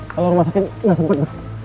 kalau rumah sakit gak sempet